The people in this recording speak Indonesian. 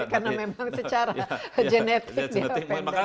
karena memang secara genetik dia pendek